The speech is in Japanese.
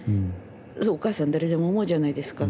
お母さん誰でも思うじゃないですか。